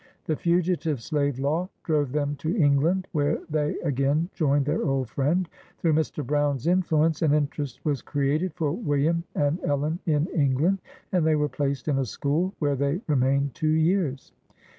The Fugi tive Slave Law drove them to England, where they again joined their old friend. Through Mr. Brown's influence, an interest was created for William and Ellen in England, and they were placed in a school, where they remained two years.